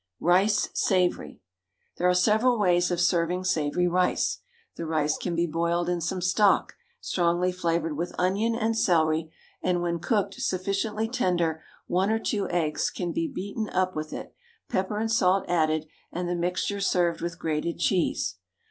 RICE, SAVOURY. There are several ways of serving savoury rice. The rice can be boiled in some stock, strongly flavoured with onion and celery, and when cooked sufficiently tender one or two eggs can be beaten up with it, pepper and salt added, and the mixture served with grated cheese.